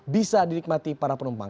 bisa dinikmati para penumpang